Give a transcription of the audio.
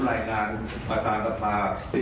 ผมไม่ให้คุณใช้ถ้าคุณใช้เดี๋ยวผมไหล่งานประธานภาพ